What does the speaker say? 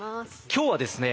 今日はですね